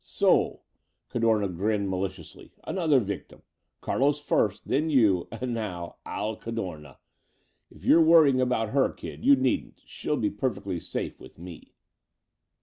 "So!" Cadorna grinned maliciously. "Another victim! Carlos first, then you, and now Al Cadorna. If you're worrying about her, kid, you needn't. She'll be perfectly safe with me."